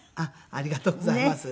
ありがとうございます。